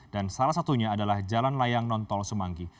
dan salah satunya adalah jalan layang nontol semanggi